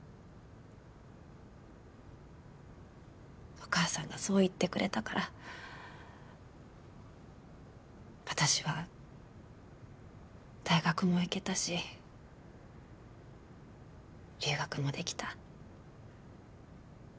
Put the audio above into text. お母さんがそう言ってくれたから私は大学も行けたし留学もできた。